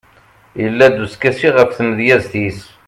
yella-d uskasi ɣef tmedyazt-is